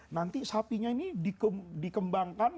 nanti sapinya ini dikembangkan